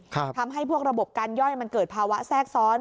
ทำให้พวกระบบการย่อยมันเกิดภาวะแทรกซ้อน